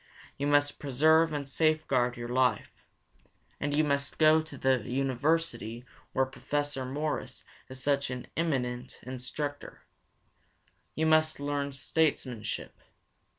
You must preserve and safeguard your life. And you must go to the University where Professor Morris is such an eminent instructor. You must learn statesmanship.